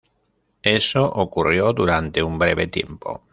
Eso ocurrió durante un breve tiempo.